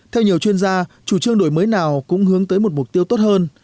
theo nhiều chuyên gia chủ trương đổi mới nào cũng hướng tới một mục tiêu tốt hơn